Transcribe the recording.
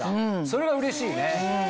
それがうれしいね。